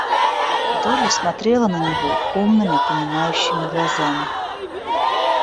Долли смотрела на него умными, понимающими глазами.